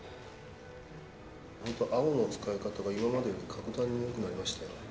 ほんと青の使い方が今までより格段によくなりましたよ。